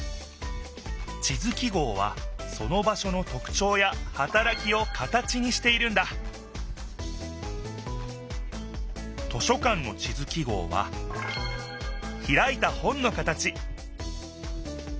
地図記号はその場所のとくちょうやはたらきを形にしているんだ図書館の地図記号はひらいた本の形